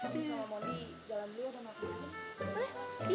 mami sama monde jalan luar sama aku